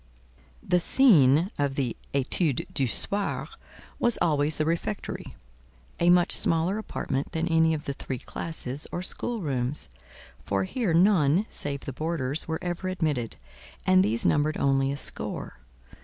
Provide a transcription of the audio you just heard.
The scene of the "etude du soir" was always the refectory, a much smaller apartment than any of the three classes or schoolrooms; for here none, save the boarders, were ever admitted, and these numbered only a score.